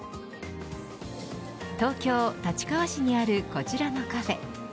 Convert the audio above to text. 東京、立川市にあるこちらのカフェ